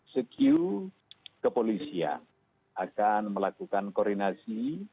sekiu ke polisian akan melakukan koordinasi